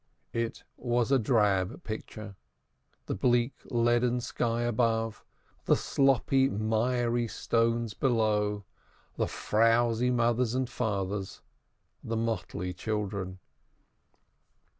It was a drab picture the bleak, leaden sky above, the sloppy, miry stones below, the frowsy mothers and fathers, the motley children.